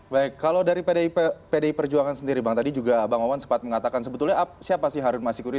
baik kalau dari pdi perjuangan sendiri bang tadi juga bang wawan sempat mengatakan sebetulnya siapa sih harun masikuri